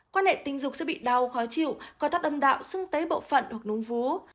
quan hệ tình dục sẽ bị đau khó chịu co thắt âm đạo sưng tấy bộ phận hoặc nung vú